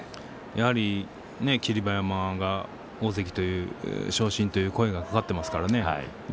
やはり霧馬山が大関昇進という声がかかっていますからね。